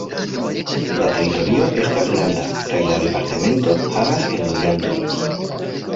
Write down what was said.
La teritorio estas granda, kaj la departemento havas enloĝantojn.